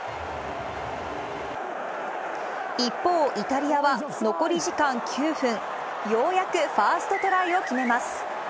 一方、イタリアは残り時間９分、ようやくファーストトライを決めます。